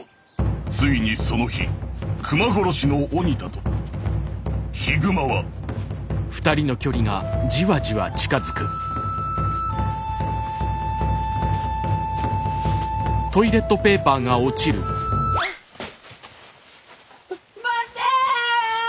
ついにその日熊殺しの鬼田と悲熊はあ待って！